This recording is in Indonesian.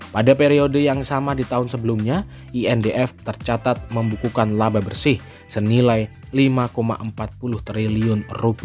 pada periode yang sama di tahun sebelumnya indf tercatat membukukan laba bersih senilai rp lima empat puluh triliun